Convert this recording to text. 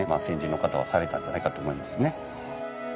先人の方はされたんじゃないかと思いますね。